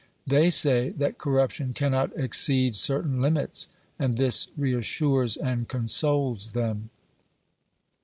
They say that corruption cannot exceed certain limits, and this reassures and consoles them.